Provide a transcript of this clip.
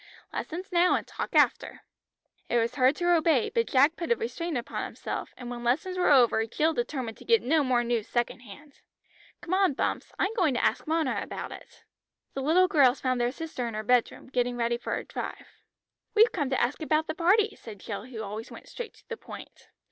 Lessons now, and talk after." It was hard to obey, but Jack put a restraint upon himself, and when lessons were over Jill determined to get no more news second hand. "Come on, Bumps. I'm going to ask Mona about it." The little girls found their sister in her bedroom, getting ready for a drive. "We've come to ask about the party," said Jill, who always went straight to the point.